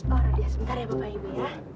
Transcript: oh rodia sebentar ya bapak ibu